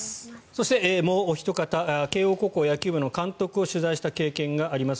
そしてもうおひと方慶応高校野球部の監督を取材した経験があります